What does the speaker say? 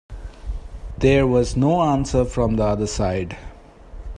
There was no answer from the other side.